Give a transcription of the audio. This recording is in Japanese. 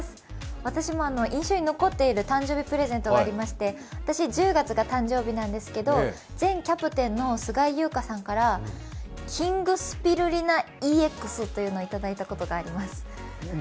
私も印象に残っている誕生日プレゼントがありまして、私、１０月が誕生日なんですけど前キャプテンの菅井友香さんからキングスピルリナＥＸというのをいただいたことがあります。